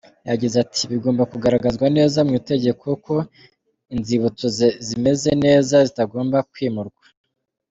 Yagize ati’’ Bigomba kugaragazwa neza mu itegeko ko inzibutso zimeze neza zitagomba kwimurwa.